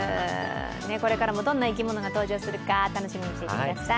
これからもどんな生き物が登場するか楽しみにしてください。